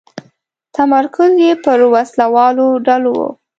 تمرکز یې پر وسله والو ډلو و.